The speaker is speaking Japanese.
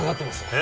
え？